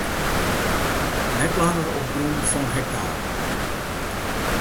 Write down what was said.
Net langer op grûn fan hektaren.